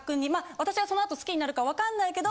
私がそのあと好きになるかわかんないけど。